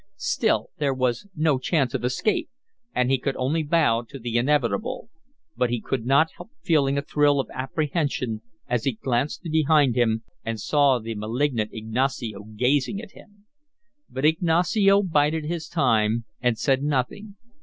Still there was no chance of escape, and he could only bow to the inevitable; but he could not help feeling a thrill of apprehension as he glanced behind him and saw the malignant Ignacio gazing at him. But Ignacio bided his time, and said nothing.